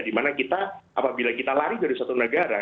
dimana kita apabila kita lari dari satu negara